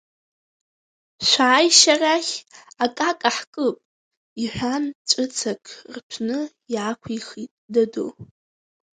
Шәааишь арахь, акака ҳкып, – иҳәан, ҵәыцак рҭәны иаақәихит даду.